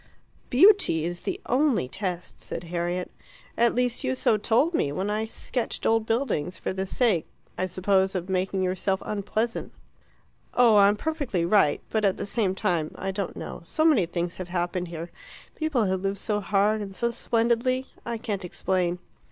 "Beauty is the only test," said Harriet. "At least so you told me when I sketched old buildings for the sake, I suppose, of making yourself unpleasant." "Oh, I'm perfectly right. But at the same time I don't know so many things have happened here people have lived so hard and so splendidly I can't explain."